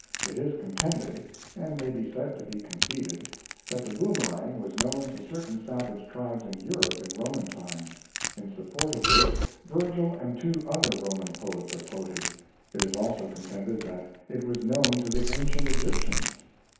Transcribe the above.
It is contended and may be said to be conceded that the boomerang was known to certain savage tribes in Europe in Roman times. In support of this, Virgil and two other Roman poets are quoted. It is also contended that it was known to the ancient Egyptians.